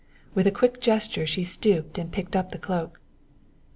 With a quick gesture she stooped and picked up the cloak.